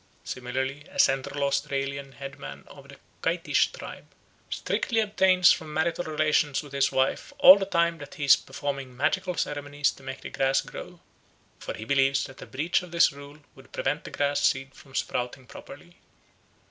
Similarly a Central Australian headman of the Kaitish tribe strictly abstains from marital relations with his wife all the time that he is performing magical ceremonies to make the grass grow; for he believes that a breach of this rule would prevent the grass seed from sprouting properly.